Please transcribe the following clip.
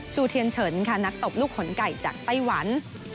เทียนเฉินค่ะนักตบลูกขนไก่จากไต้หวัน